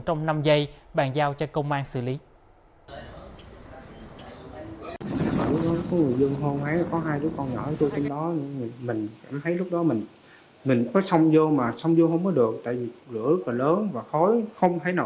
trong năm giây bàn giao cho công an xử lý